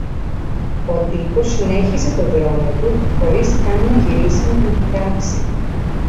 Ο τύπος συνέχισε το δρόμο του χωρίς καν να γυρίσει να τον κοιτάξει